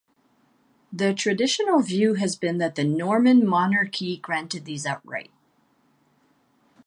The traditional view has been that the Norman monarchy granted these outright.